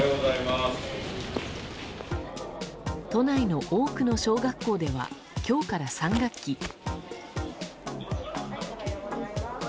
都内の多くの小学校では今日から３学期。